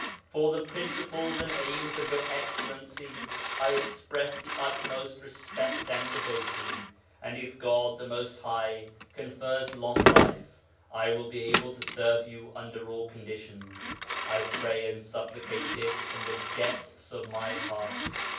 'For the principles and aims of Your Excellency I express the utmost respect and devotion, and if God, the Most High, confers long life, I will be able to serve you under all conditions. I pray and supplicate this from the depths of my heart.